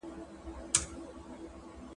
چي قاضي کړه د طبیب دعوه منظوره ,